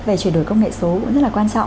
về chuyển đổi công nghệ số cũng rất là quan trọng